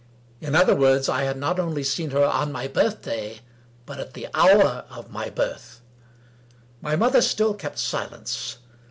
In other words, I had not only seen her on my birthday, but at the hour of niy birth. My mother still kept silence.